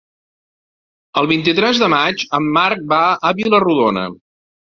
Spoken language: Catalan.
El vint-i-tres de maig en Marc va a Vila-rodona.